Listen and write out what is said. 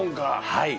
はい。